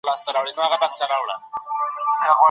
تاسو د مثبت فکر په لرلو له سختیو نه ویریږئ.